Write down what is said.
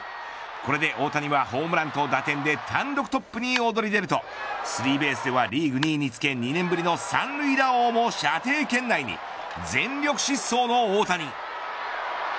これで大谷はホームランと打点で単独トップに躍り出るとスリーベースではリーグ２位につけ２年ぶりの三塁打王も射程圏内に全力疾走の大谷。